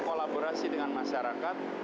kolaborasi dengan masyarakat